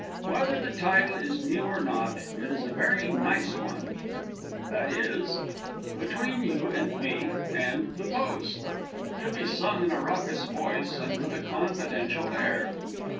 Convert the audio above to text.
Whether the title is new or not, it is a very nice one, viz: BETWEEN YOU AND ME AND THE POST. (_To be sung in a raucous voice, and with a confidential air.